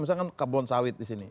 misalkan kebun sawit disini